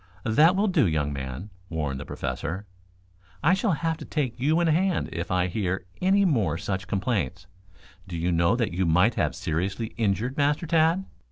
"That will do, young man," warned the Professor. "I shall have to take you in hand if I hear any more such complaints. Do you know that you might have seriously injured Master Tad?